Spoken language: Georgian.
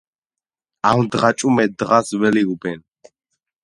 ამდღა-ჭუმე დღას ველიებუნ